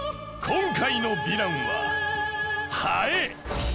今回のヴィランは「ハエ第２弾」！